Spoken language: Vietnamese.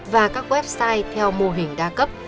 và các website theo mô hình đa cấp